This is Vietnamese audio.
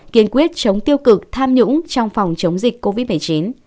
kiên quyết chống tiêu cực tham nhũng trong phòng chống dịch covid một mươi chín